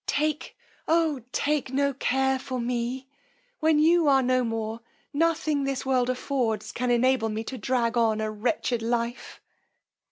Take, oh! take no care for me; when you are no more, nothing this world affords can enable me to drag on a wretched life!